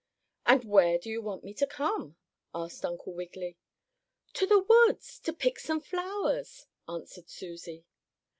"And where do you want me to come?" asked Uncle Wiggily. "To the woods, to pick some flowers," answered Susie.